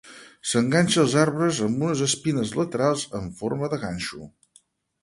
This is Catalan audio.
S'enganxa als arbres amb unes espines laterals en forma de ganxo.